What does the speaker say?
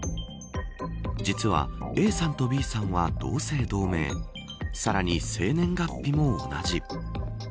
実はＡさんとＢさんは同姓同名さらに生年月日も同じ。